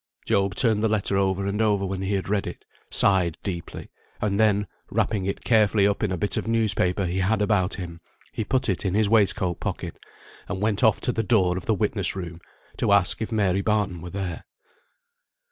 Job turned the letter over and over when he had read it; sighed deeply; and then wrapping it carefully up in a bit of newspaper he had about him, he put it in his waistcoat pocket, and went off to the door of the witness room to ask if Mary Barton were there.